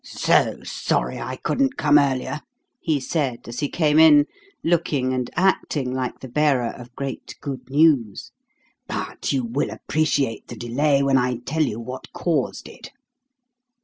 "So sorry I couldn't come earlier," he said, as he came in, looking and acting like the bearer of great good news; "but you will appreciate the delay when I tell you what caused it.